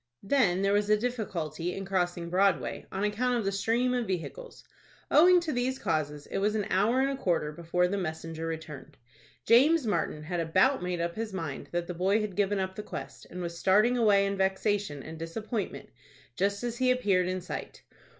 Then there was a difficulty in crossing Broadway, on account of the stream of vehicles. Owing to these causes, it was an hour and a quarter before the messenger returned. James Martin had about made up his mind that the boy had given up the quest, and was starting away in vexation and disappointment, just as he appeared in sight.